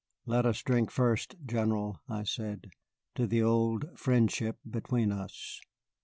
"Let us drink first, General," I said, "to the old friendship between us."